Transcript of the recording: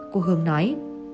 cô hương nói